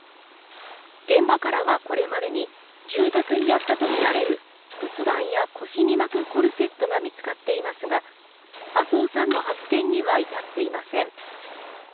現場からはこれまでに住宅にあったとみられる仏壇や腰に巻くコルセットが見つかっていますが麻生さんの発見には至っていません。